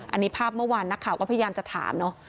อันนี้ภาพเมื่อวานนักข่าวก็พยายามจะถามเนอะ